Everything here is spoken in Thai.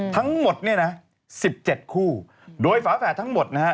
ทั้งหมด๑๗คู่โดยฝาแฝดทั้งหมดนะฮะ